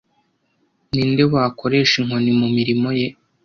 Ninde wakoresha inkoni mu mirimo ye